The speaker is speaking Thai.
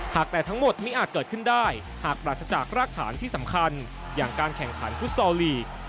แต่ทั้งหมดไม่อาจเกิดขึ้นได้หากปราศจากรากฐานที่สำคัญอย่างการแข่งขันฟุตซอลลีก